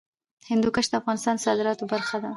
هندوکش د هېواد د صادراتو برخه ده.